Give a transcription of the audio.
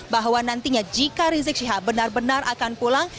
bahwa nantinya jika rizik syihab benar benar akan pulang